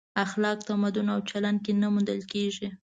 اخلاق تمدن او چلن کې نه موندل کېږي.